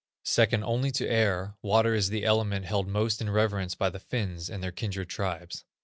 Second only to air, water is the element held most in reverence by the Finns and their kindred tribes.